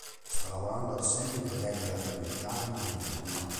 Sta lavorando al seguito del "Il diario di Miriam".